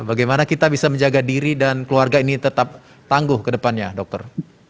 bagaimana kita bisa menjaga diri dan keluarga ini tetap tangguh ke depannya dokter